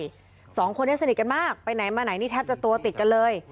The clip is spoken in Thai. สองคนนี้สนิทกันมากไปไหนมาไหนนี่แทบจะตัวติดกันเลย